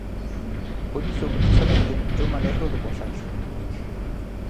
Por iso precisamente eu me alegro do consenso.